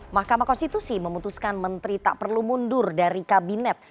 mahkamah konstitusi memutuskan menteri tak perlu mundur dari kabinet